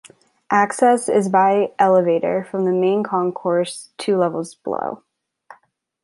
Access is by elevator from the main concourse two levels below.